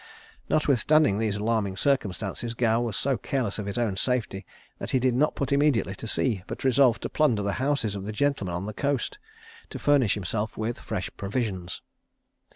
Notwithstanding these alarming circumstances, Gow was so careless of his own safety, that he did not put immediately to sea, but resolved to plunder the houses of the gentlemen on the coast, to furnish himself with fresh provisions.